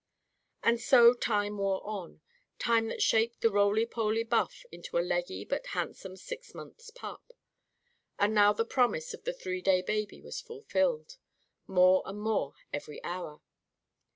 And so time wore on time that shaped the roly poly Buff into a leggy but handsome six months' pup. And now the promise of the three day baby was fulfilled, more and more every hour.